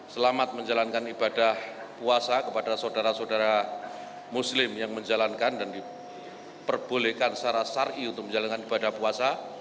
selamat menjalankan ibadah puasa kepada saudara saudara muslim yang menjalankan dan diperbolehkan secara ⁇ sari untuk menjalankan ibadah puasa